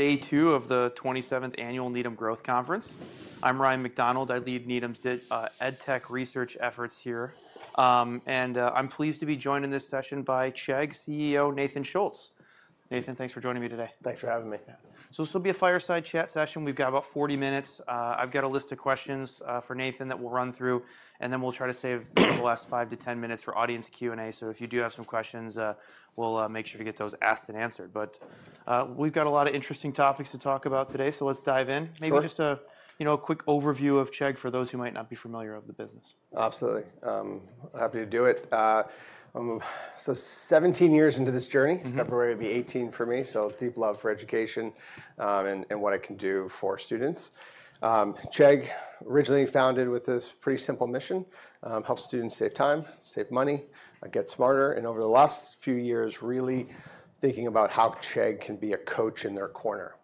Day two of the 27th Annual Needham's Growth Conference. I'm Ryan MacDonald. I lead Needham's EdTech Research efforts here. And I'm pleased to be joined in this session by Chegg CEO Nathan Schultz. Nathan, thanks for joining me today. Thanks for having me. This will be a fireside chat session. We've got about 40 minutes. I've got a list of questions for Nathan that we'll run through, and then we'll try to save the last 5-10 minutes for audience Q&A. So if you do have some questions, we'll make sure to get those asked and answered. But we've got a lot of interesting topics to talk about today, so let's dive in. Maybe just a quick overview of Chegg for those who might not be familiar with the business. Absolutely. Happy to do it. So 17 years into this journey, February will be 18 for me, so deep love for education and what I can do for students. Chegg originally founded with this pretty simple mission: help students save time, save money, get smarter, and over the last few years, really thinking about how Chegg can be a coach in their corner.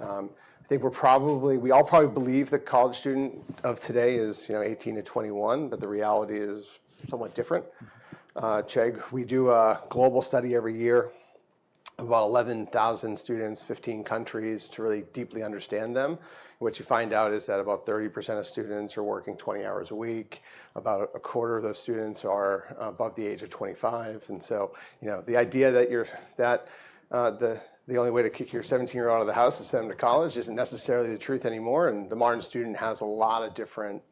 I think we're probably. We all probably believe the college student of today is 18-21, but the reality is somewhat different. Chegg, we do a global study every year of about 11,000 students, 15 countries, to really deeply understand them. What you find out is that about 30% of students are working 20 hours a week. About a quarter of those students are above the age of 25. And so the idea that the only way to kick your 17-year-old out of the house is to send him to college isn't necessarily the truth anymore. And the modern student has a lot of different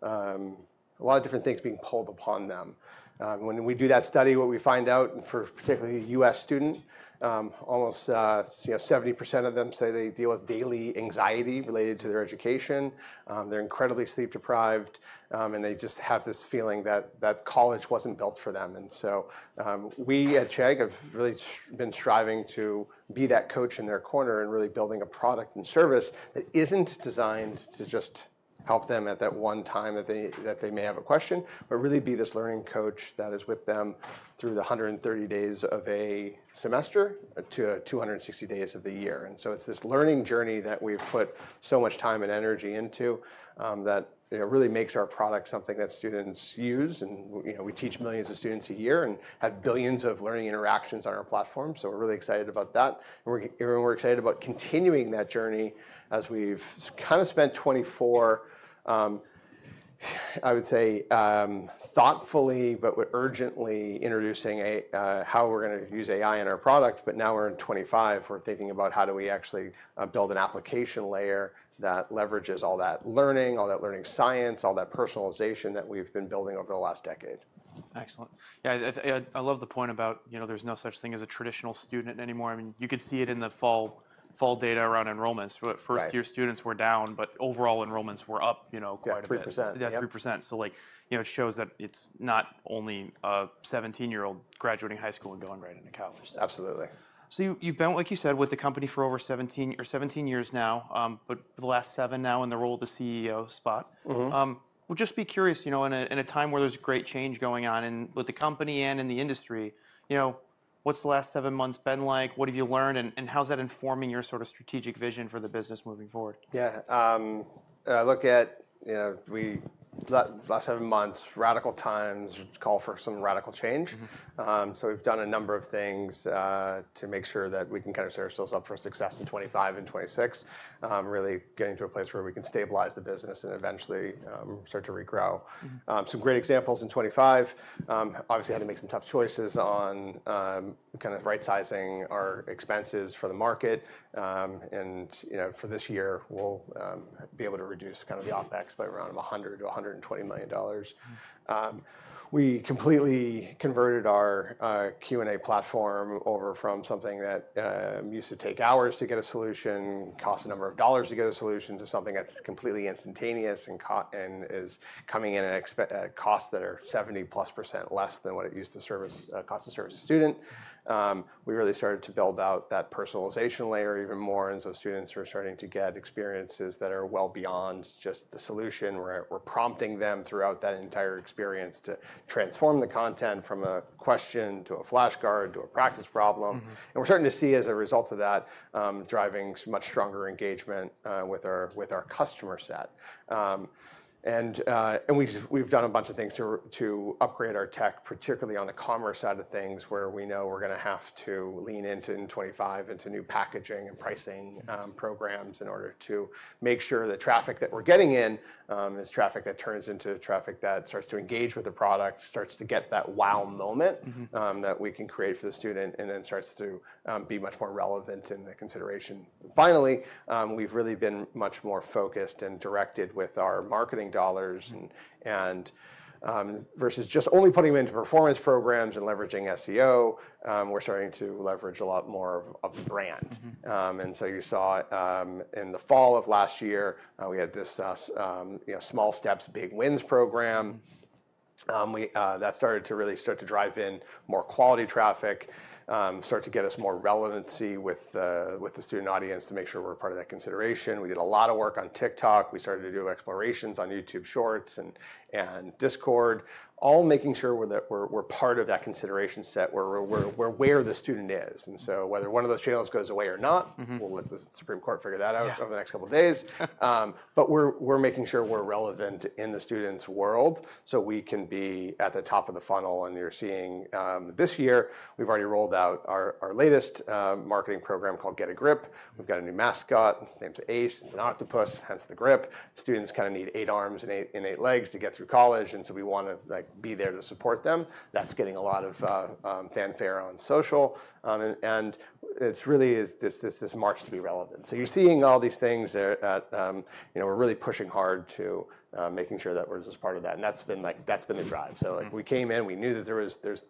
things being pulled upon them. When we do that study, what we find out, for particularly the U.S. student, almost 70% of them say they deal with daily anxiety related to their education. They're incredibly sleep deprived, and they just have this feeling that college wasn't built for them. And so we at Chegg have really been striving to be that coach in their corner and really building a product and service that isn't designed to just help them at that one time that they may have a question, but really be this learning coach that is with them through the 130 days of a semester to 260 days of the year. And so it's this learning journey that we've put so much time and energy into that really makes our product something that students use. And we teach millions of students a year and have billions of learning interactions on our platform, so we're really excited about that. And we're excited about continuing that journey as we've kind of spent 2024, I would say, thoughtfully but urgently introducing how we're going to use AI in our product. But now we're in 2025. We're thinking about how do we actually build an application layer that leverages all that learning, all that learning science, all that personalization that we've been building over the last decade. Excellent. Yeah, I love the point about there's no such thing as a traditional student anymore. I mean, you could see it in the fall data around enrollments. First-year students were down, but overall enrollments were up quite a bit. Yeah, 3%. Yeah, 3%. So it shows that it's not only a 17-year-old graduating high school and going right into college. Absolutely. So you've been, like you said, with the company for over 17 years now, but the last seven now in the role of the CEO spot. We're just curious, in a time where there's great change going on with the company and in the industry, what's the last seven months been like? What have you learned, and how's that informing your sort of strategic vision for the business moving forward? Yeah. I look at the last 7 months. Radical times call for some radical change. So we've done a number of things to make sure that we can kind of set ourselves up for success in 2025 and 2026, really getting to a place where we can stabilize the business and eventually start to regrow. Some great examples in 2025, obviously had to make some tough choices on kind of right-sizing our expenses for the market. And for this year, we'll be able to reduce kind of the OpEx by around $100-$120 million. We completely converted our Q&A platform over from something that used to take hours to get a solution, cost a number of dollars to get a solution, to something that's completely instantaneous and is coming in at costs that are 70% plus less than what it used to cost to service a student. We really started to build out that personalization layer even more, and so students are starting to get experiences that are well beyond just the solution. We're prompting them throughout that entire experience to transform the content from a question to a flashcard to a practice problem, and we're starting to see, as a result of that, driving much stronger engagement with our customer set, and we've done a bunch of things to upgrade our tech, particularly on the commerce side of things, where we know we're going to have to lean into in 2025 into new packaging and pricing programs in order to make sure the traffic that we're getting in is traffic that turns into traffic that starts to engage with the product, starts to get that wow moment that we can create for the student, and then starts to be much more relevant in the consideration. Finally, we've really been much more focused and directed with our marketing dollars versus just only putting them into performance programs and leveraging SEO. We're starting to leverage a lot more of brand. And so you saw in the fall of last year, we had this Small Steps, Big Wins program that started to really start to drive in more quality traffic, start to get us more relevancy with the student audience to make sure we're part of that consideration. We did a lot of work on TikTok. We started to do explorations on YouTube Shorts and Discord, all making sure we're part of that consideration set where we're where the student is. And so whether one of those channels goes away or not, we'll let the Supreme Court figure that out over the next couple of days. We're making sure we're relevant in the student's world so we can be at the top of the funnel. You're seeing this year, we've already rolled out our latest marketing program called Get a Grip. We've got a new mascot. It's named Ace. It's an octopus, hence the grip. Students kind of need eight arms and eight legs to get through college, and so we want to be there to support them. That's getting a lot of fanfare on social. It's really this march to be relevant. You're seeing all these things that we're really pushing hard to making sure that we're just part of that. That's been the drive. We came in. We knew that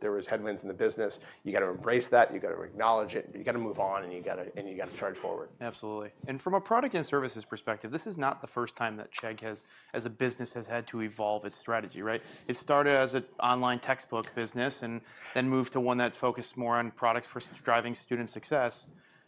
there was headwinds in the business. You got to embrace that. You got to acknowledge it. You got to move on, and you got to charge forward. Absolutely. And from a product and services perspective, this is not the first time that Chegg has, as a business, had to evolve its strategy, right? It started as an online textbook business and then moved to one that's focused more on products versus driving student success.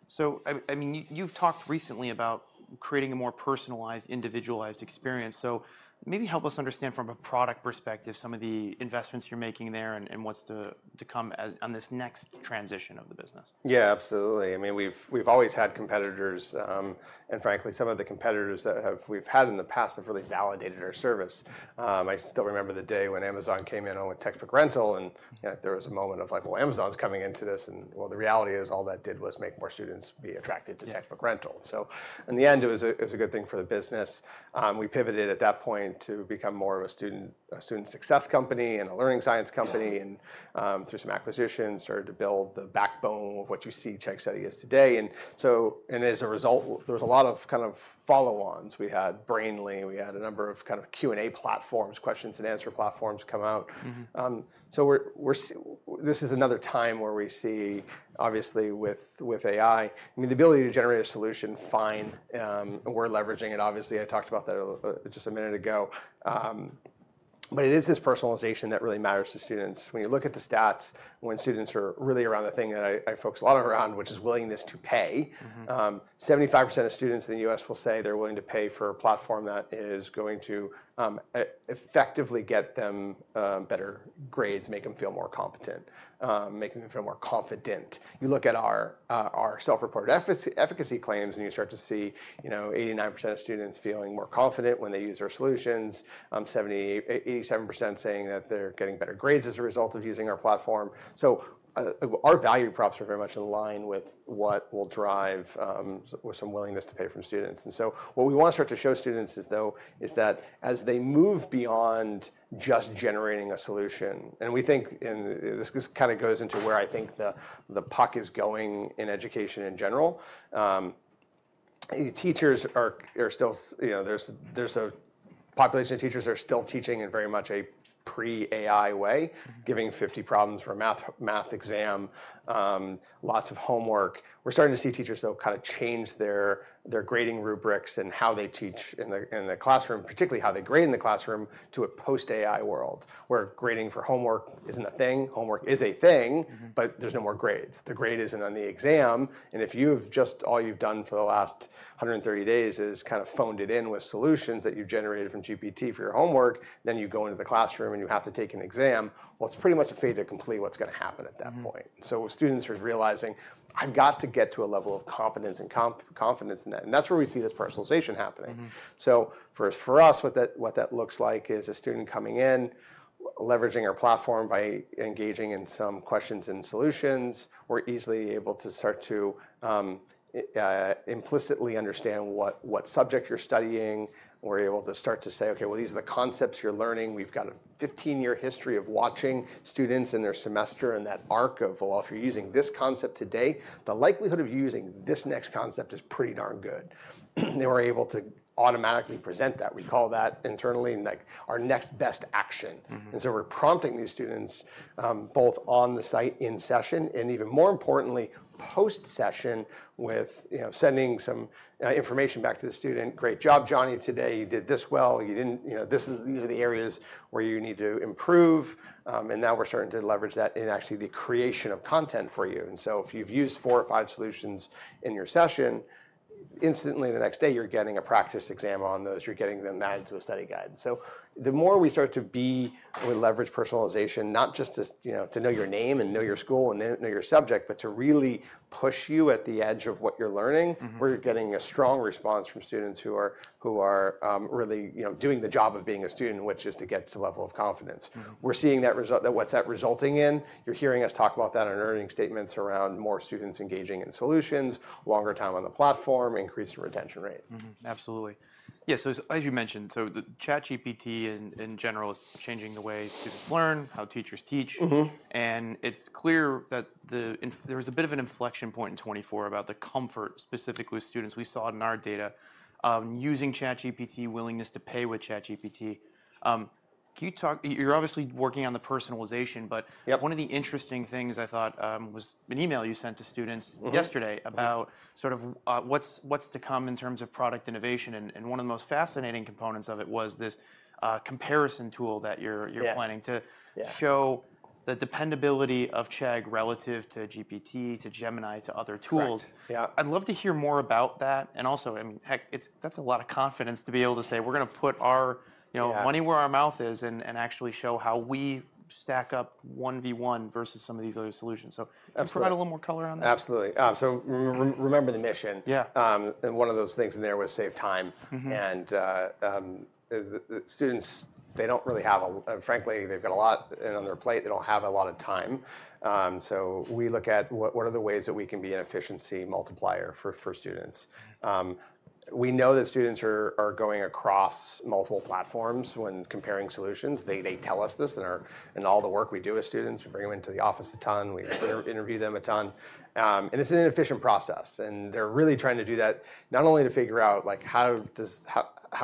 So I mean, you've talked recently about creating a more personalized, individualized experience. So maybe help us understand from a product perspective some of the investments you're making there and what's to come on this next transition of the business. Yeah, absolutely. I mean, we've always had competitors. And frankly, some of the competitors that we've had in the past have really validated our service. I still remember the day when Amazon came in on, with textbook rental, and there was a moment of like, well, Amazon's coming into this. And well, the reality is all that did was make more students be attracted to textbook rental. So in the end, it was a good thing for the business. We pivoted at that point to become more of a student success company and a learning science company. And through some acquisitions, started to build the backbone of what you see Chegg Study is today. And as a result, there was a lot of kind of follow-ons. We had Brainly. We had a number of kind of Q&A platforms, questions and answer platforms come out. So this is another time where we see, obviously, with AI, I mean, the ability to generate a solution fine. We're leveraging it. Obviously, I talked about that just a minute ago. But it is this personalization that really matters to students. When you look at the stats, when students are really around the thing that I focus a lot around, which is willingness to pay, 75% of students in the U.S. will say they're willing to pay for a platform that is going to effectively get them better grades, make them feel more competent, make them feel more confident. You look at our self-reported efficacy claims, and you start to see 89% of students feeling more confident when they use our solutions, 87% saying that they're getting better grades as a result of using our platform. Our value props are very much in line with what will drive some willingness to pay from students. And so what we want to start to show students is, though, is that as they move beyond just generating a solution, and we think this kind of goes into where I think the puck is going in education in general, teachers are still. There's a population of teachers that are still teaching in very much a pre-AI way, giving 50 problems for a math exam, lots of homework. We're starting to see teachers, though, kind of change their grading rubrics and how they teach in the classroom, particularly how they grade in the classroom to a post-AI world where grading for homework isn't a thing. Homework is a thing, but there's no more grades. The grade isn't on the exam. If all you've done for the last 130 days is kind of phoned it in with solutions that you've generated from GPT for your homework, then you go into the classroom and you have to take an exam. Well, it's pretty much a fait accompli what's going to happen at that point. Students are realizing, I've got to get to a level of competence and confidence in that. That's where we see this personalization happening. For us, what that looks like is a student coming in, leveraging our platform by engaging in some questions and solutions. We're easily able to start to implicitly understand what subject you're studying. We're able to start to say, OK, well, these are the concepts you're learning. We've got a 15-year history of watching students in their semester and that arc of, well, if you're using this concept today, the likelihood of you using this next concept is pretty darn good. And we're able to automatically present that. We call that internally our next best action. And so we're prompting these students both on the site in session and, even more importantly, post-session with sending some information back to the student. Great job, Johnny, today. You did this well. These are the areas where you need to improve. And now we're starting to leverage that in actually the creation of content for you. And so if you've used four or five solutions in your session, instantly the next day, you're getting a practice exam on those. You're getting them added to a study guide. So the more we start to leverage personalization, not just to know your name and know your school and know your subject, but to really push you at the edge of what you're learning, we're getting a strong response from students who are really doing the job of being a student, which is to get to the level of confidence. We're seeing that result. What's that resulting in? You're hearing us talk about that in earnings statements around more students engaging in solutions, longer time on the platform, increased retention rate. Absolutely. Yeah, so as you mentioned, so the ChatGPT in general is changing the way students learn, how teachers teach. And it's clear that there was a bit of an inflection point in 2024 about the comfort, specifically with students. We saw it in our data using ChatGPT, willingness to pay with ChatGPT. You're obviously working on the personalization, but one of the interesting things I thought was an email you sent to students yesterday about sort of what's to come in terms of product innovation. And one of the most fascinating components of it was this comparison tool that you're planning to show the dependability of Chegg relative to GPT, to Gemini, to other tools. I'd love to hear more about that. And also, I mean, that's a lot of confidence to be able to say, we're going to put our money where our mouth is and actually show how we stack up 1v1 versus some of these other solutions. So can you provide a little more color on that? Absolutely. So remember the mission. And one of those things in there was save time. And students, they don't really have, frankly, they've got a lot on their plate. They don't have a lot of time. So we look at what are the ways that we can be an efficiency multiplier for students. We know that students are going across multiple platforms when comparing solutions. They tell us this in all the work we do with students. We bring them into the office a ton. We interview them a ton. And it's an inefficient process. And they're really trying to do that not only to figure out how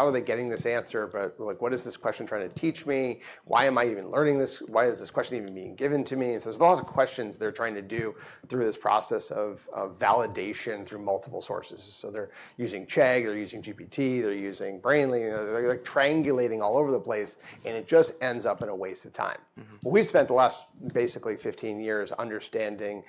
are they getting this answer, but what is this question trying to teach me? Why am I even learning this? Why is this question even being given to me? And so there's lots of questions they're trying to do through this process of validation through multiple sources. So they're using Chegg. They're using GPT. They're using Brainly. They're triangulating all over the place. And it just ends up in a waste of time. We've spent the last basically 15 years understanding the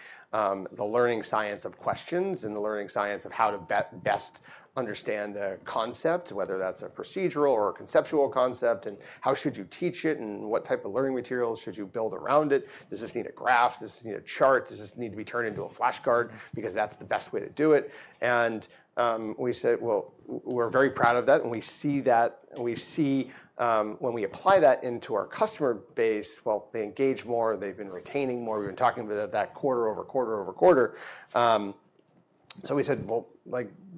learning science of questions and the learning science of how to best understand a concept, whether that's a procedural or a conceptual concept, and how should you teach it, and what type of learning materials should you build around it? Does this need a graph? Does this need a chart? Does this need to be turned into a flashcard because that's the best way to do it? And we said, well, we're very proud of that. And we see that. We see when we apply that into our customer base, well, they engage more. They've been retaining more. We've been talking about that quarter over quarter over quarter. So we said, well,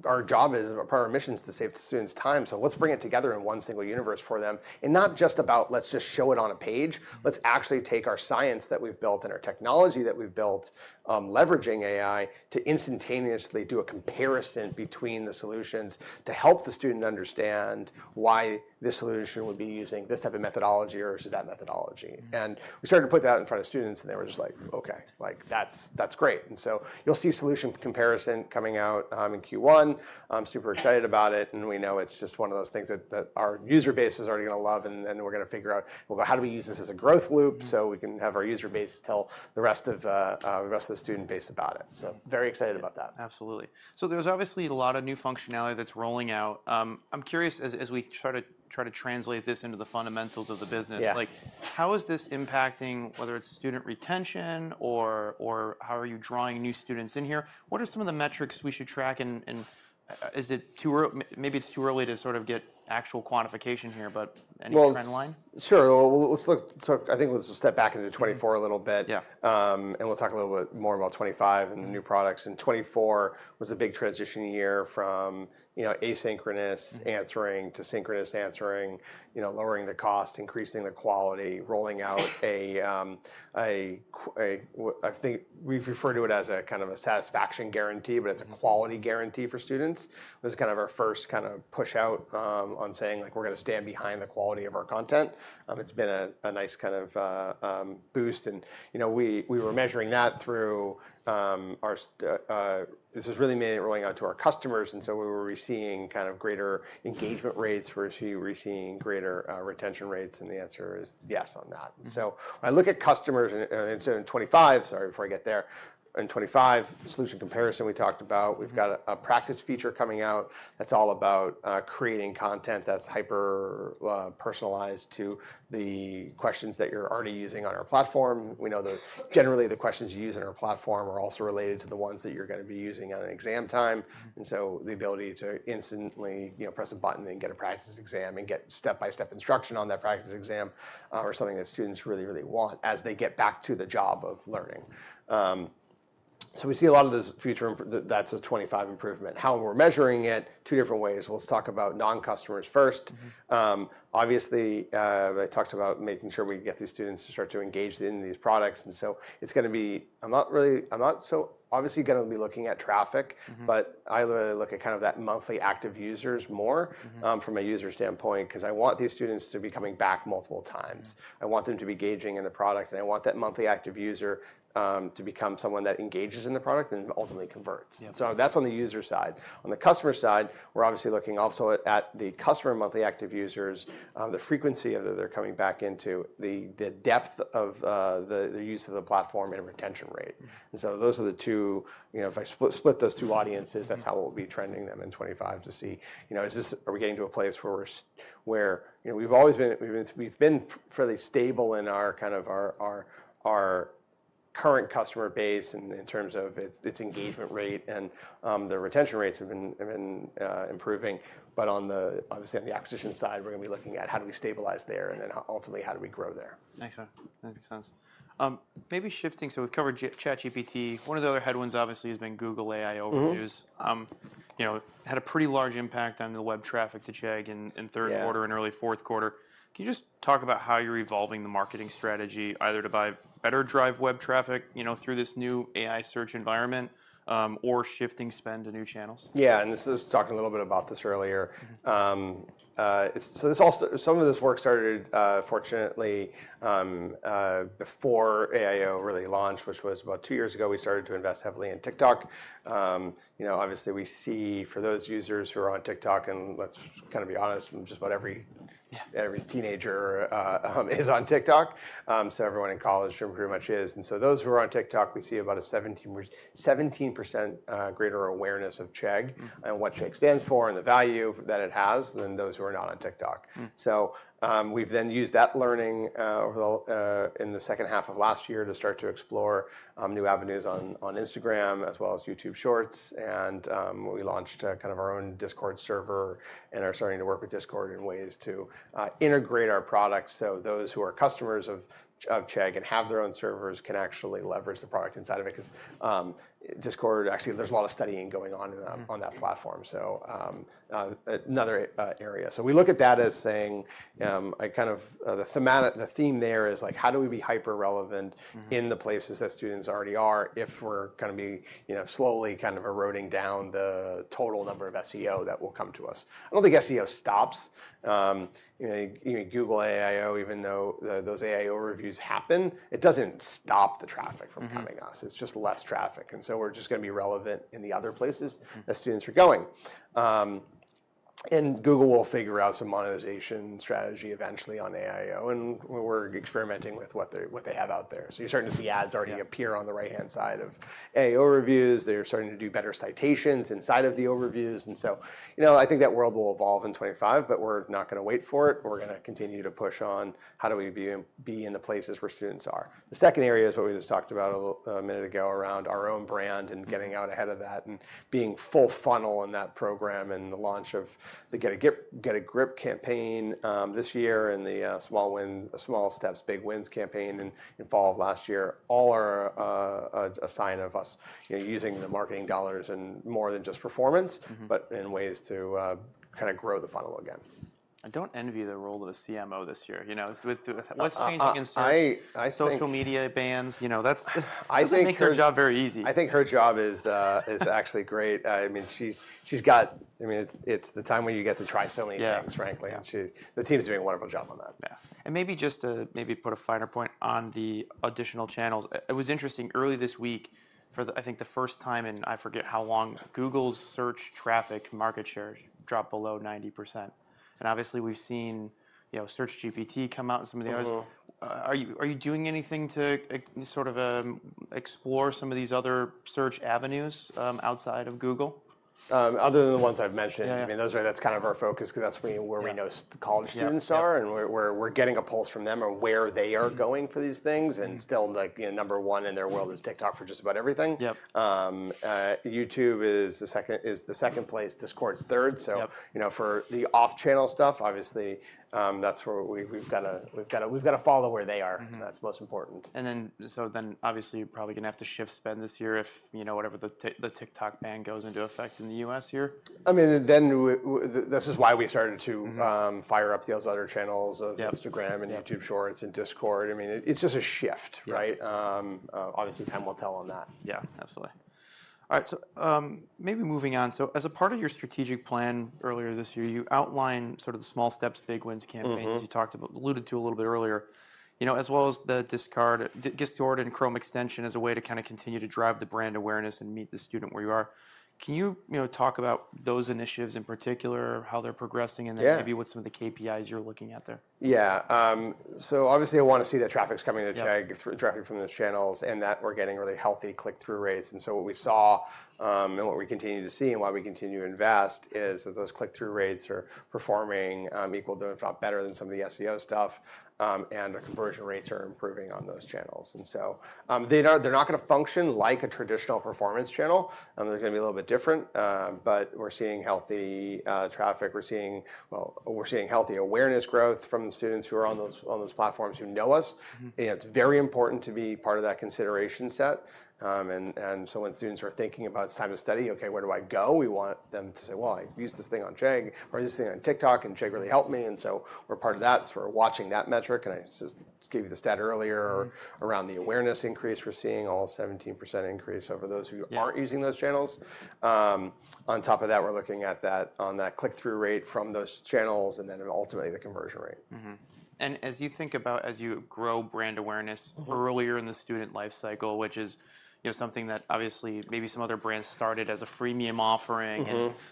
our job is, part of our mission is to save students time. So let's bring it together in one single universe for them. And not just about, let's just show it on a page. Let's actually take our science that we've built and our technology that we've built, leveraging AI, to instantaneously do a comparison between the solutions to help the student understand why this solution would be using this type of methodology versus that methodology. And we started to put that out in front of students, and they were just like, OK, that's great. And so you'll see solution comparison coming out in Q1. I'm super excited about it. And we know it's just one of those things that our user base is already going to love. We're going to figure out, well, how do we use this as a growth loop so we can have our user base tell the rest of the student base about it? Very excited about that. Absolutely. So there's obviously a lot of new functionality that's rolling out. I'm curious, as we try to translate this into the fundamentals of the business, how is this impacting whether it's student retention or how are you drawing new students in here? What are some of the metrics we should track? And is it too early? Maybe it's too early to sort of get actual quantification here, but any trend line? Sure. I think let's step back into 2024 a little bit. And we'll talk a little bit more about 2025 and the new products. And 2024 was a big transition year from asynchronous answering to synchronous answering, lowering the cost, increasing the quality, rolling out a, I think we've referred to it as a kind of a satisfaction guarantee, but it's a quality guarantee for students. It was kind of our first kind of push out on saying we're going to stand behind the quality of our content. It's been a nice kind of boost. And we were measuring that through our, this has really made it rolling out to our customers. And so we were seeing kind of greater engagement rates. We're seeing greater retention rates. And the answer is yes on that. So I look at customers in 2025, sorry, before I get there. In 2025, solution comparison we talked about. We've got a practice feature coming out that's all about creating content that's hyper-personalized to the questions that you're already using on our platform. We know that generally the questions you use on our platform are also related to the ones that you're going to be using on an exam time. And so the ability to instantly press a button and get a practice exam and get step-by-step instruction on that practice exam are something that students really, really want as they get back to the job of learning. So we see a lot of this future. That's a 2025 improvement. How we're measuring it, two different ways. Let's talk about non-customers first. Obviously, I talked about making sure we get these students to start to engage in these products. It's going to be. I'm not so obviously going to be looking at traffic, but I really look at kind of the monthly active users more from a user standpoint because I want these students to be coming back multiple times. I want them to be engaging in the product. And I want that monthly active user to become someone that engages in the product and ultimately converts. So that's on the user side. On the customer side, we're obviously looking also at the customer monthly active users, the frequency that they're coming back into, the depth of the use of the platform, and retention rate. And so those are the two. If I split those two audiences, that's how we'll be trending them in 2025 to see, are we getting to a place where we've always been. We've been fairly stable in kind of our current customer base in terms of its engagement rate. And the retention rates have been improving. But obviously, on the acquisition side, we're going to be looking at how do we stabilize there? And then ultimately, how do we grow there? Excellent. That makes sense. Maybe shifting, so we've covered ChatGPT. One of the other headwinds, obviously, has been Google AI Overviews. It had a pretty large impact on the web traffic to Chegg in third quarter and early fourth quarter. Can you just talk about how you're evolving the marketing strategy, either to better drive web traffic through this new AI search environment or shifting spend to new channels? Yeah, and this is talking a little bit about this earlier, so some of this work started, fortunately, before AIO really launched, which was about two years ago. We started to invest heavily in TikTok. Obviously, we see for those users who are on TikTok, and let's kind of be honest, just about every teenager is on TikTok, so everyone in college pretty much is, and so those who are on TikTok, we see about a 17% greater awareness of Chegg and what Chegg stands for and the value that it has than those who are not on TikTok, so we've then used that learning in the second half of last year to start to explore new avenues on Instagram as well as YouTube Shorts. And we launched kind of our own Discord server and are starting to work with Discord in ways to integrate our products so those who are customers of Chegg and have their own servers can actually leverage the product inside of it because Discord, actually, there's a lot of studying going on on that platform. So another area. So we look at that as saying, kind of the theme there is, how do we be hyper-relevant in the places that students already are if we're going to be slowly kind of eroding down the total number of SEO that will come to us? I don't think SEO stops. Google AIO, even though those AI overviews happen, it doesn't stop the traffic from coming to us. It's just less traffic. And so we're just going to be relevant in the other places that students are going. And Google will figure out some monetization strategy eventually on AIO. And we're experimenting with what they have out there. So you're starting to see ads already appear on the right-hand side of AI Overviews. They're starting to do better citations inside of the overviews. And so I think that world will evolve in 2025, but we're not going to wait for it. We're going to continue to push on how do we be in the places where students are. The second area is what we just talked about a minute ago around our own brand and getting out ahead of that and being full funnel in that program and the launch of the Get a Grip campaign this year and the Small Steps, Big Wins campaign in fall of last year. All are a sign of us using the marketing dollars in more than just performance, but in ways to kind of grow the funnel again. I don't envy the role of a CMO this year. What's changing in social media bans? I think her job is very easy. I think her job is actually great. I mean, she's got, I mean, it's the time when you get to try so many things, frankly. The team is doing a wonderful job on that. Yeah. And maybe just to put a finer point on the additional channels. It was interesting early this week, for I think the first time in, I forget how long, Google's search traffic market share dropped below 90%. And obviously, we've seen SearchGPT come out and some of the others. Are you doing anything to sort of explore some of these other search avenues outside of Google? Other than the ones I've mentioned, I mean, that's kind of our focus because that's where we know college students are. And we're getting a pulse from them on where they are going for these things. And still, number one in their world is TikTok for just about everything. YouTube is the second place. Discord's third. So for the off-channel stuff, obviously, that's where we've got to follow where they are. That's most important. Obviously, you're probably going to have to shift spend this year if whatever the TikTok ban goes into effect in the US here. I mean, then this is why we started to fire up those other channels of Instagram and YouTube Shorts and Discord. I mean, it's just a shift, right? Obviously, time will tell on that. Yeah. Absolutely. All right, maybe moving on. As a part of your strategic plan earlier this year, you outlined sort of the Small Steps, Big Wins campaign, as you talked about, alluded to a little bit earlier, as well as the Discord and Chrome extension as a way to kind of continue to drive the brand awareness and meet the student where you are. Can you talk about those initiatives in particular, how they're progressing, and then maybe what some of the KPIs you're looking at there? Yeah. So obviously, I want to see that traffic's coming to Chegg, traffic from those channels, and that we're getting really healthy click-through rates. And so what we saw and what we continue to see and why we continue to invest is that those click-through rates are performing equal to, if not better, than some of the SEO stuff. And our conversion rates are improving on those channels. And so they're not going to function like a traditional performance channel. And they're going to be a little bit different. But we're seeing healthy traffic. We're seeing healthy awareness growth from the students who are on those platforms who know us. And it's very important to be part of that consideration set. And so when students are thinking about, it's time to study, OK, where do I go? We want them to say, well, I used this thing on Chegg, or I used this thing on TikTok, and Chegg really helped me, and so we're part of that, so we're watching that metric. And I just gave you the stat earlier around the awareness increase we're seeing, all 17% increase over those who aren't using those channels. On top of that, we're looking at that on that click-through rate from those channels and then ultimately the conversion rate. As you think about, as you grow brand awareness earlier in the student life cycle, which is something that obviously maybe some other brands started as a freemium offering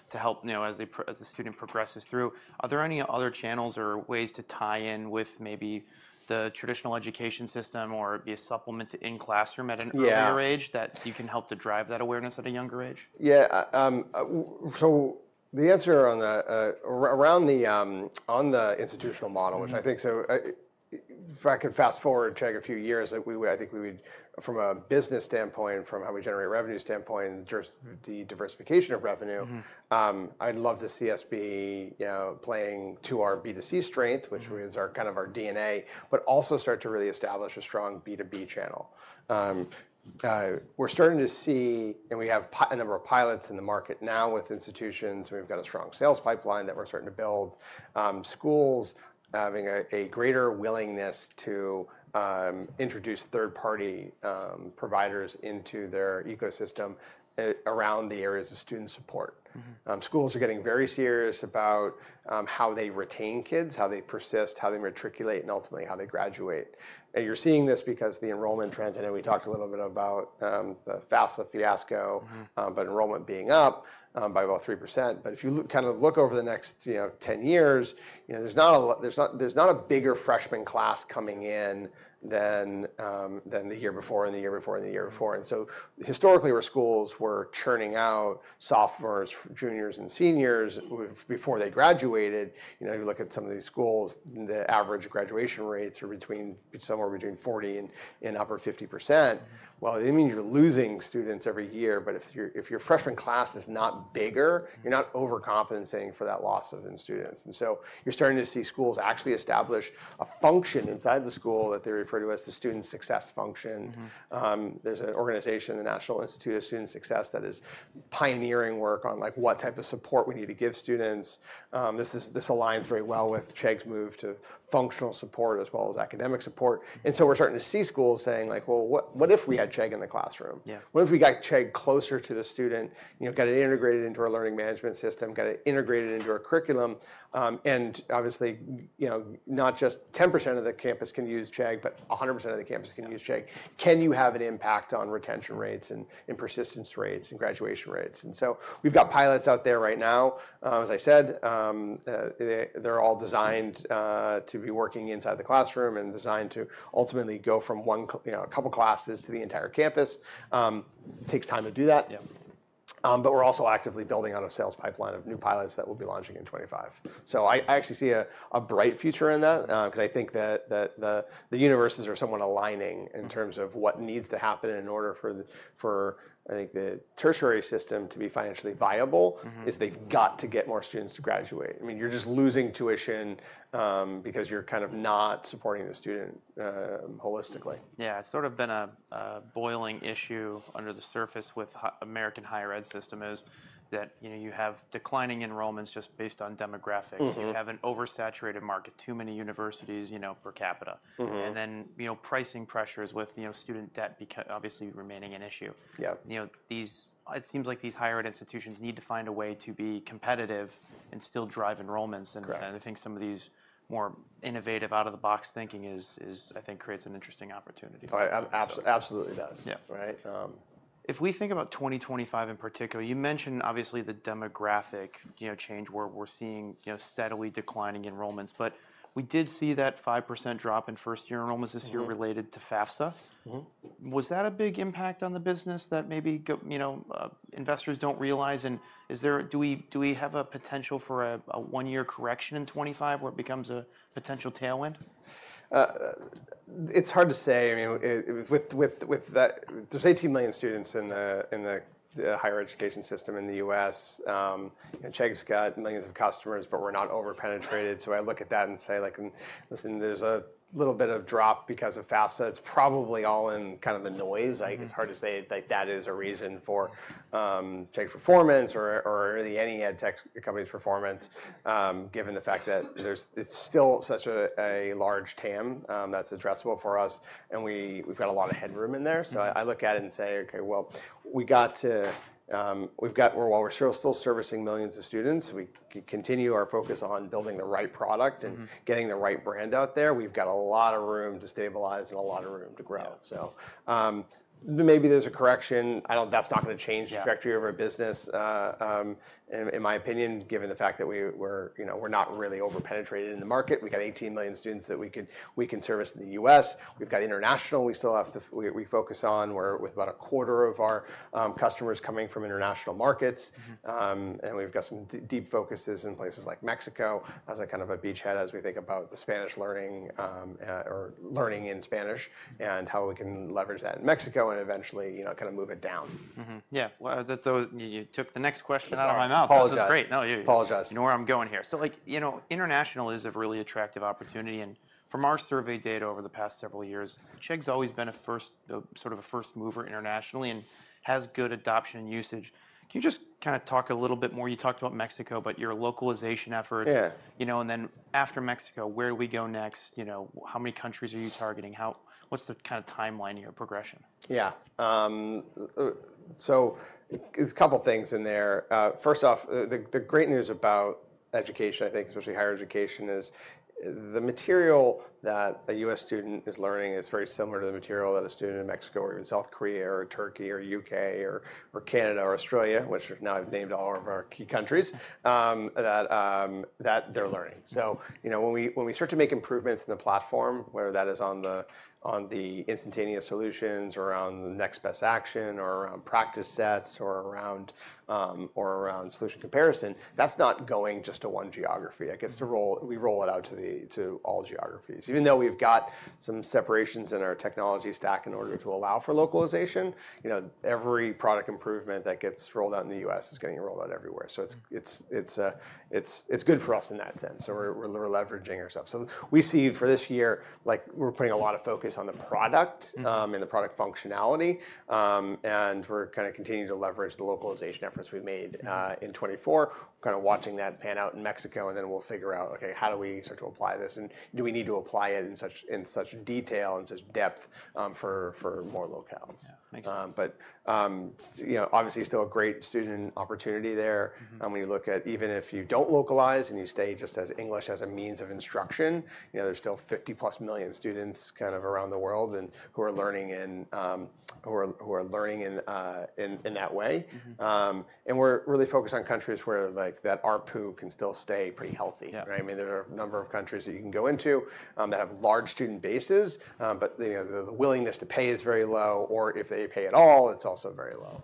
to help as the student progresses through, are there any other channels or ways to tie in with maybe the traditional education system or be a supplement to in-classroom at an earlier age that you can help to drive that awareness at a younger age? Yeah. So the answer around the institutional model, which I think, so if I could fast forward Chegg a few years, I think we would, from a business standpoint, from how we generate revenue standpoint, the diversification of revenue. I'd love to see us be playing to our B2C strength, which is kind of our DNA, but also start to really establish a strong B2B channel. We're starting to see, and we have a number of pilots in the market now with institutions. And we've got a strong sales pipeline that we're starting to build. Schools having a greater willingness to introduce third-party providers into their ecosystem around the areas of student support. Schools are getting very serious about how they retain kids, how they persist, how they matriculate, and ultimately how they graduate. And you're seeing this because the enrollment trends, and we talked a little bit about the FAFSA fiasco, but enrollment being up by about 3%. But if you kind of look over the next 10 years, there's not a bigger freshman class coming in than the year before and the year before and the year before. And so historically, where schools were churning out sophomores, juniors, and seniors before they graduated, you look at some of these schools, the average graduation rates are somewhere between 40%-upper 50s%. Well, it means you're losing students every year. But if your freshman class is not bigger, you're not overcompensating for that loss of students. And so you're starting to see schools actually establish a function inside the school that they refer to as the Student Success Function. There's an organization, the National Institute for Student Success, that is pioneering work on what type of support we need to give students. This aligns very well with Chegg's move to functional support as well as academic support, and so we're starting to see schools saying, well, what if we had Chegg in the classroom? What if we got Chegg closer to the student, got it integrated into our learning management system, got it integrated into our curriculum, and obviously, not just 10% of the campus can use Chegg, but 100% of the campus can use Chegg. Can you have an impact on retention rates and persistence rates and graduation rates, and so we've got pilots out there right now. As I said, they're all designed to be working inside the classroom and designed to ultimately go from a couple of classes to the entire campus. It takes time to do that. But we're also actively building on a sales pipeline of new pilots that we'll be launching in 2025. So I actually see a bright future in that because I think that the universes are somewhat aligning in terms of what needs to happen in order for, I think, the tertiary system to be financially viable is they've got to get more students to graduate. I mean, you're just losing tuition because you're kind of not supporting the student holistically. Yeah. It's sort of been a boiling issue under the surface with the American higher ed system, is that you have declining enrollments just based on demographics. You have an oversaturated market, too many universities per capita. And then pricing pressures with student debt obviously remaining an issue. It seems like these higher ed institutions need to find a way to be competitive and still drive enrollments. And I think some of these more innovative out-of-the-box thinking is, I think, creates an interesting opportunity. Absolutely does. Yeah. If we think about 2025 in particular, you mentioned, obviously, the demographic change where we're seeing steadily declining enrollments. But we did see that 5% drop in first-year enrollments this year related to FAFSA. Was that a big impact on the business that maybe investors don't realize? And do we have a potential for a one-year correction in 2025 where it becomes a potential tailwind? It's hard to say. I mean, there's 18 million students in the higher education system in the U.S. Chegg's got millions of customers, but we're not over-penetrated. So I look at that and say, listen, there's a little bit of drop because of FAFSA. It's probably all in kind of the noise. It's hard to say that that is a reason for Chegg's performance or any ed tech company's performance, given the fact that it's still such a large TAM that's addressable for us. And we've got a lot of headroom in there. So I look at it and say, OK, well, we've got to, while we're still servicing millions of students, we continue our focus on building the right product and getting the right brand out there. We've got a lot of room to stabilize and a lot of room to grow. So maybe there's a correction. That's not going to change the trajectory of our business, in my opinion, given the fact that we're not really over-penetrated in the market. We've got 18 million students that we can service in the US. We've got international we still have to focus on, with about a quarter of our customers coming from international markets, and we've got some deep focuses in places like Mexico as a kind of a beachhead as we think about the Spanish learning or learning in Spanish and how we can leverage that in Mexico and eventually kind of move it down. Yeah. You took the next question out of my mouth. Apologize. This is great. No, you're usually. Apologize. You know where I'm going here. So international is a really attractive opportunity. And from our survey data over the past several years, Chegg's always been sort of a first mover internationally and has good adoption and usage. Can you just kind of talk a little bit more? You talked about Mexico, but your localization efforts. And then after Mexico, where do we go next? How many countries are you targeting? What's the kind of timeline here, progression? Yeah. So there's a couple of things in there. First off, the great news about education, I think, especially higher education, is the material that a U.S. student is learning is very similar to the material that a student in Mexico or in South Korea or Turkey or U.K. or Canada or Australia, which now I've named all of our key countries, that they're learning. So when we start to make improvements in the platform, whether that is on the instantaneous solutions or around the next best action or around practice sets or around solution comparison, that's not going just to one geography. We roll it out to all geographies. Even though we've got some separations in our technology stack in order to allow for localization, every product improvement that gets rolled out in the U.S. is getting rolled out everywhere. So it's good for us in that sense. So we're leveraging ourselves. So we see for this year, we're putting a lot of focus on the product and the product functionality. And we're kind of continuing to leverage the localization efforts we made in 2024, kind of watching that pan out in Mexico. And then we'll figure out, OK, how do we start to apply this? And do we need to apply it in such detail and such depth for more locales? But obviously, still a great student opportunity there. And when you look at, even if you don't localize and you stay just as English as a means of instruction, there's still 50-plus million students kind of around the world who are learning in that way. And we're really focused on countries where that ARPU can still stay pretty healthy. I mean, there are a number of countries that you can go into that have large student bases. But the willingness to pay is very low. Or if they pay at all, it's also very low.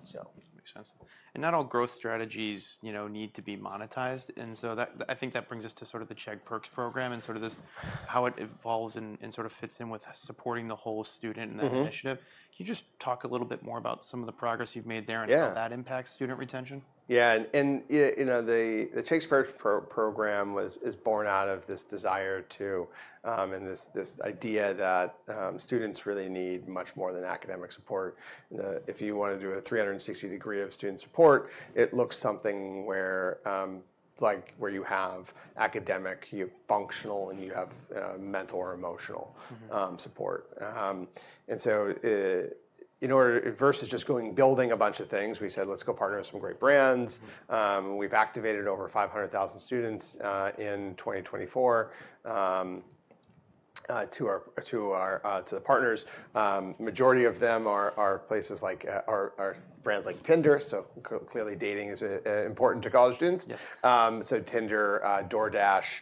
Makes sense. And not all growth strategies need to be monetized. And so I think that brings us to sort of the Chegg Perks program and sort of how it evolves and sort of fits in with supporting the whole student and that initiative. Can you just talk a little bit more about some of the progress you've made there and how that impacts student retention? Yeah, and the Chegg Perks program is born out of this desire to and this idea that students really need much more than academic support. If you want to do a 360-degree of student support, it looks something like where you have academic, you have functional, and you have mental or emotional support, and so versus just building a bunch of things, we said, let's go partner with some great brands. We've activated over 500,000 students in 2024 to the partners. The majority of them are brands like Tinder, so clearly, dating is important to college students, so Tinder, DoorDash,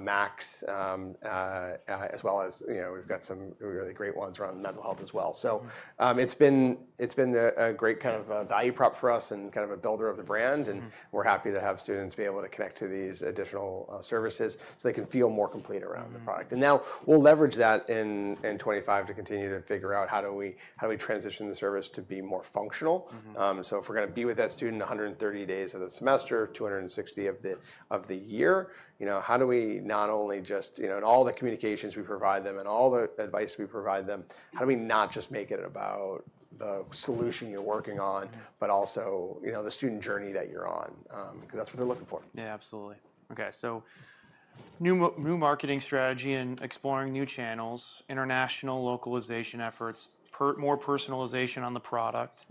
Max, as well as we've got some really great ones around mental health as well, so it's been a great kind of value prop for us and kind of a builder of the brand. And we're happy to have students be able to connect to these additional services so they can feel more complete around the product. And now we'll leverage that in 2025 to continue to figure out how do we transition the service to be more functional. So if we're going to be with that student 130 days of the semester, 260 of the year, how do we not only just, in all the communications we provide them and all the advice we provide them, how do we not just make it about the solution you're working on, but also the student journey that you're on? Because that's what they're looking for. Yeah, absolutely. OK. So new marketing strategy and exploring new channels, international localization efforts, more personalization on the product,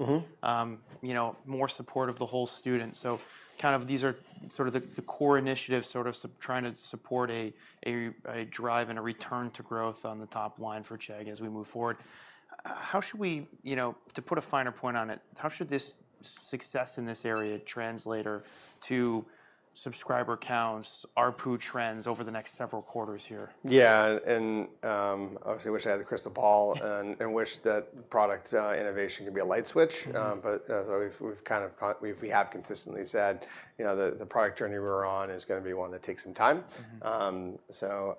more support of the whole student. So kind of these are sort of the core initiatives sort of trying to support a drive and a return to growth on the top line for Chegg as we move forward. How should we, to put a finer point on it, how should this success in this area translate to subscriber counts, ARPU trends over the next several quarters here? Yeah. And obviously, I wish I had the crystal ball and wish that product innovation could be a light switch. But we've kind of, we have consistently said the product journey we're on is going to be one that takes some time. So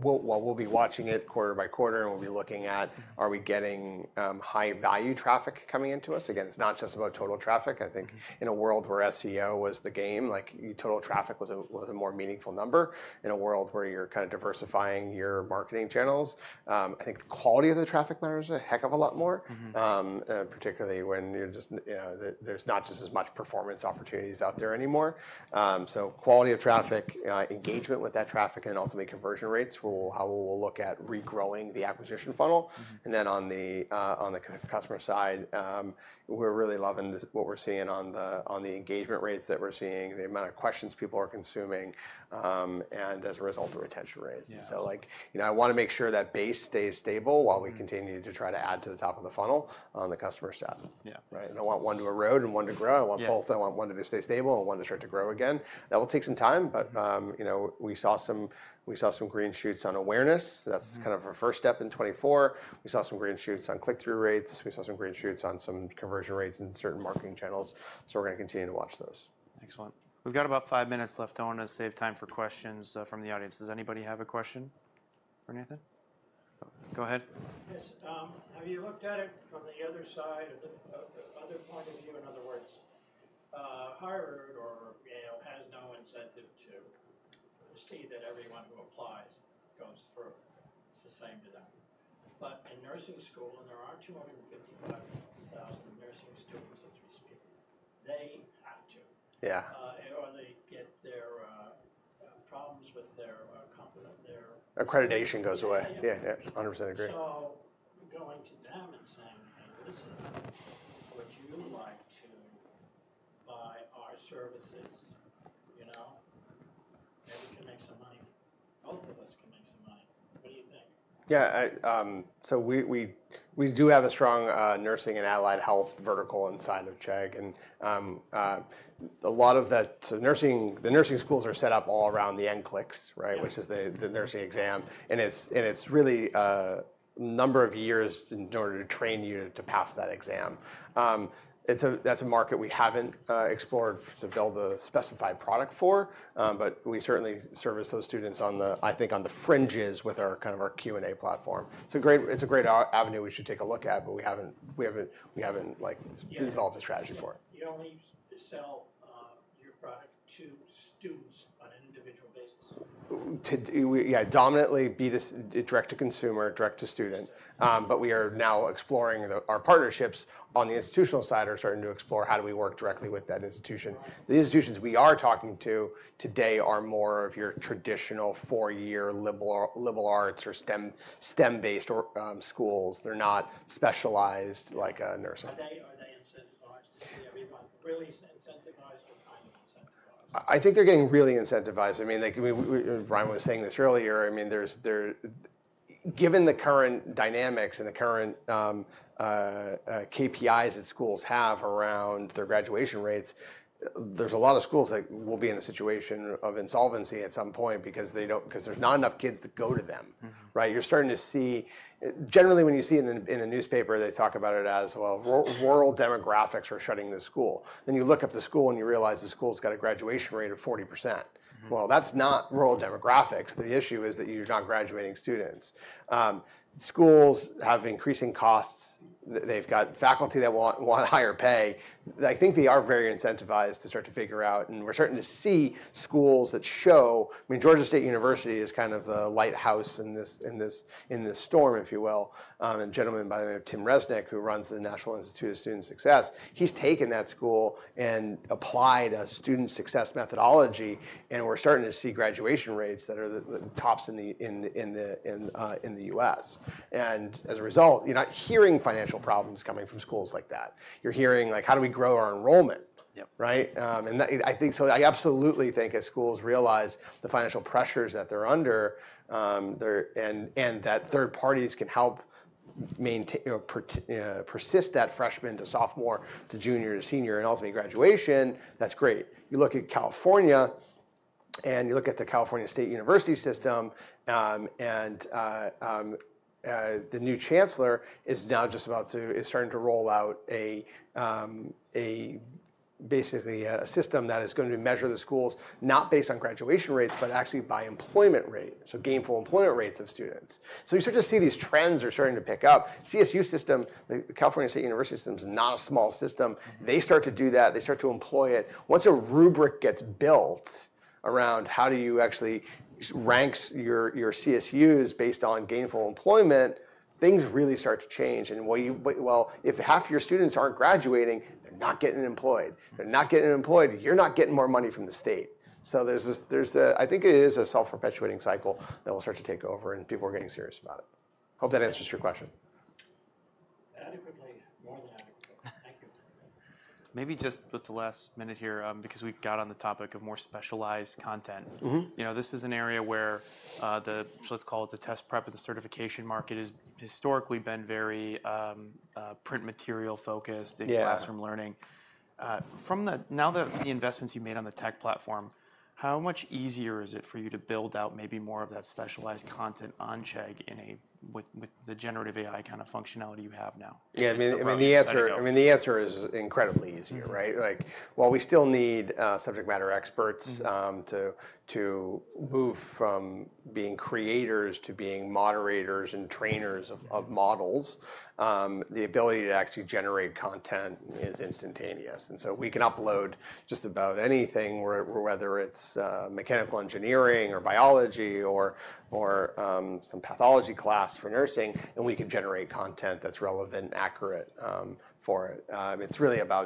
while we'll be watching it quarter by quarter, and we'll be looking at, are we getting high-value traffic coming into us? Again, it's not just about total traffic. I think in a world where SEO was the game, total traffic was a more meaningful number. In a world where you're kind of diversifying your marketing channels, I think the quality of the traffic matters a heck of a lot more, particularly when there's not just as much performance opportunities out there anymore. So quality of traffic, engagement with that traffic, and then ultimately conversion rates. How we will look at regrowing the acquisition funnel. And then on the customer side, we're really loving what we're seeing on the engagement rates that we're seeing, the amount of questions people are consuming, and as a result, the retention rates. So I want to make sure that base stays stable while we continue to try to add to the top of the funnel on the customer side. I don't want one to erode and one to grow. I want both. I want one to stay stable and one to start to grow again. That will take some time. But we saw some green shoots on awareness. That's kind of our first step in 2024. We saw some green shoots on click-through rates. We saw some green shoots on some conversion rates in certain marketing channels. So we're going to continue to watch those. Excellent. We've got about five minutes left. I want to save time for questions from the audience. Does anybody have a question for Nathan? Go ahead. Yes. Have you looked at it from the other side or other point of view? In other words, Harvard has no incentive to see that everyone who applies goes through. It's the same to them. But in nursing school, and there are 255,000 nursing students as we speak, they have to. Yeah. Or they get their problems with their. Accreditation goes away. Yeah, yeah. 100% agree. So going to them and saying, hey, listen, would you like to buy our services? Maybe we can make some money. Both of us can make some money. What do you think? Yeah. So we do have a strong nursing and allied health vertical inside of Chegg. And a lot of that, the nursing schools are set up all around the NCLEX, which is the nursing exam. And it's really a number of years in order to train you to pass that exam. That's a market we haven't explored to build a specified product for. But we certainly service those students on the, I think, on the fringes with kind of our Q&A platform. It's a great avenue we should take a look at, but we haven't developed a strategy for it. You don't need to sell your product to students on an individual basis. Yeah, predominantly direct to consumer, direct to student. But we are now exploring our partnerships on the institutional side, starting to explore how do we work directly with that institution. The institutions we are talking to today are more of your traditional four-year liberal arts or STEM-based schools. They're not specialized like a nursing school. Are they incentivized? Really incentivized or kind of incentivized? I think they're getting really incentivized. I mean, Ryan was saying this earlier. I mean, given the current dynamics and the current KPIs that schools have around their graduation rates, there's a lot of schools that will be in a situation of insolvency at some point because there's not enough kids to go to them. You're starting to see, generally when you see in a newspaper, they talk about it as, well, rural demographics are shuttering the school. Then you look up the school and you realize the school's got a graduation rate of 40%. That's not rural demographics. The issue is that you're not graduating students. Schools have increasing costs. They've got faculty that want higher pay. I think they are very incentivized to start to figure out. And we're starting to see schools that show, I mean, Georgia State University is kind of the lighthouse in this storm, if you will. And gentleman by the name of Tim Renick, who runs the National Institute for Student Success, he's taken that school and applied a student success methodology. And we're starting to see graduation rates that are the tops in the U.S. And as a result, you're not hearing financial problems coming from schools like that. You're hearing, how do we grow our enrollment? And I absolutely think as schools realize the financial pressures that they're under and that third parties can help persist that freshman to sophomore to junior to senior and ultimately graduation, that's great. You look at California and you look at the California State University system. The new chancellor is now just about to, is starting to roll out basically a system that is going to measure the schools not based on graduation rates, but actually by employment rate, so gainful employment rates of students. So you start to see these trends are starting to pick up. CSU system, the California State University system is not a small system. They start to do that. They start to employ it. Once a rubric gets built around how do you actually rank your CSUs based on gainful employment, things really start to change. Well, if half your students aren't graduating, they're not getting employed. They're not getting employed. You're not getting more money from the state. I think it is a self-perpetuating cycle that will start to take over. People are getting serious about it. Hope that answers your question. Adequately, more than adequately. Thank you. Maybe just with the last minute here, because we've got on the topic of more specialized content. This is an area where, let's call it the test prep and the certification market has historically been very print material focused in classroom learning. Now that the investments you made on the tech platform, how much easier is it for you to build out maybe more of that specialized content on Chegg with the generative AI kind of functionality you have now? Yeah. I mean, the answer is incredibly easier. While we still need subject matter experts to move from being creators to being moderators and trainers of models, the ability to actually generate content is instantaneous. And so we can upload just about anything, whether it's mechanical engineering or biology or some pathology class for nursing, and we can generate content that's relevant and accurate for it. It's really about.